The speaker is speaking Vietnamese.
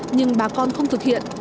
nhưng bà con không thực hiện